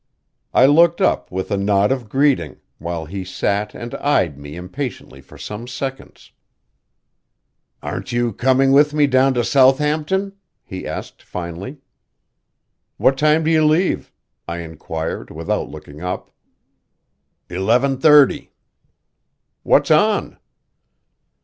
I looked up with a nod of greeting, while he sat and eyed me impatiently for some seconds. "Aren't you coming with me down to Southampton?" he asked finally. "What time do you leave?" I inquired, without looking up. "Eleven thirty." "What's on?"